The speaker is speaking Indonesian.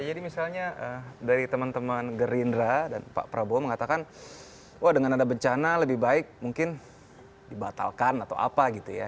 jadi misalnya dari teman teman gerindra dan pak prabowo mengatakan wah dengan ada bencana lebih baik mungkin dibatalkan atau apa gitu ya